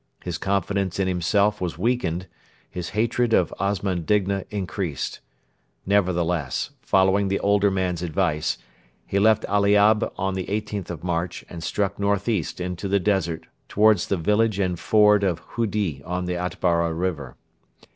His confidence in himself was weakened, his hatred of Osman Digna increased. Nevertheless, following the older man's advice, he left Aliab on the 18th of March, and struck north east into the desert towards the village and ford of Hudi on the Atbara river.